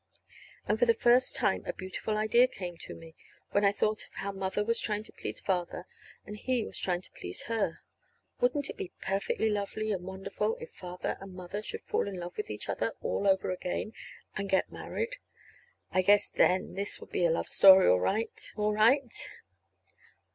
And for the first time a beautiful idea came to me, when I thought how Mother was trying to please Father, and he was trying to please her. Wouldn't it be perfectly lovely and wonderful if Father and Mother should fall in love with each other all over again, and get married? I guess then this would be a love story all right, all right!